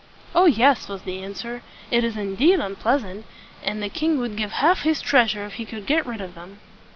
"Oh, yes!" was the answer. "It is indeed un pleas ant; and the king would give half his treas ure if he could get rid of them."